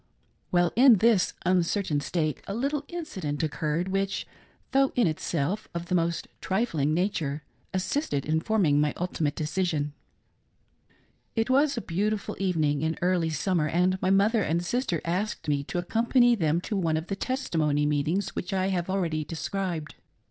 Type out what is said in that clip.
While in this uncertain state a little incident occurred which, though in itself of the most trifling nature, assisted in forming my ultimate decision. It was a beautiful evening in early summer, and my mother and sister asked me to accotnpany them to one of the testi mony meetings which I have already described.